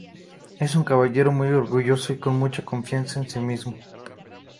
Es un caballero muy orgulloso y con mucha confianza en sí mismo.